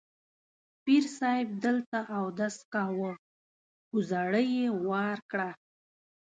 پیر صاحب دلته اودس کاوه، کوزړۍ یې وار کړه.